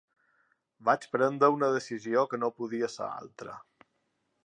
Vaig prendre una decisió que no podia ser altra.